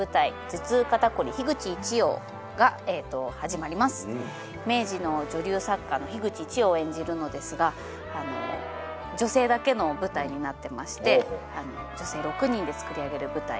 「頭痛肩こり樋口一葉」が始まります明治の女流作家の樋口一葉を演じるのですが女性だけの舞台になってまして女性６人で作り上げる舞台